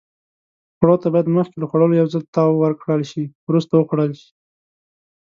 خوړو ته باید مخکې له خوړلو یو ځل تاو ورکړل شي. وروسته وخوړل شي.